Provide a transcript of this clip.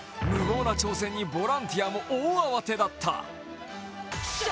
無謀な挑戦にボランティアも大慌てだった。